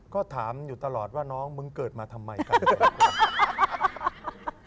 ก็ถามอยู่ตลอดว่าน้องมึงเกิดมาทำไมครับ